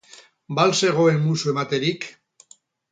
Ba al zegoen musu ematerik?